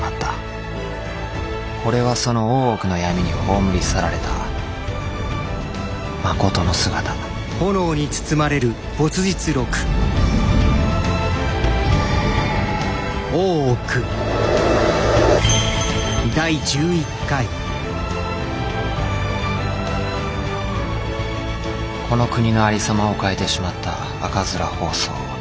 これはその大奥の闇に葬り去られたまことの姿この国のありさまを変えてしまった赤面疱瘡。